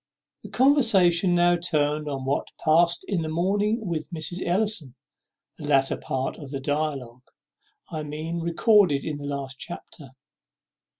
The conversation now turned on what past in the morning with Mrs. Ellison, the latter part of the dialogue, I mean, recorded in the last chapter.